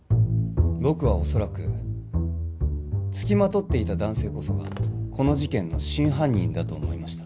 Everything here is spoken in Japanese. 僕はおそらくつきまとっていた男性こそがこの事件の真犯人だと思いました